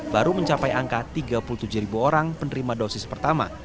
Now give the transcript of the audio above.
baru mencapai angka tiga puluh tujuh ribu orang penerima dosis pertama